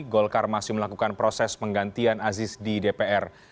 golkar masih melakukan proses penggantian aziz di dpr